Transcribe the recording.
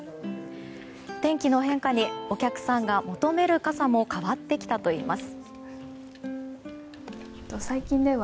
天気の変化にお客さんが求める傘も変わってきたといいます。